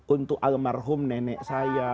untuk almarhum nenek saya